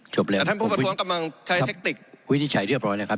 ท่านผู้ประท้วงกำลังใช้เทคติกวินิจฉัยเรียบร้อยแล้วครับ